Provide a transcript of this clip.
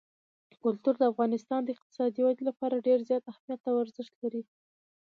کلتور د افغانستان د اقتصادي ودې لپاره ډېر زیات اهمیت او ارزښت لري.